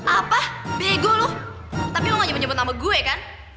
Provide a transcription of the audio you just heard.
apa bego loh tapi lo gak nyebut nama gue kan